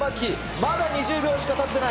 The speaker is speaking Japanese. まだ２０秒しかたってない。